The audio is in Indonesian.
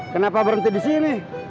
kenapa berhenti disini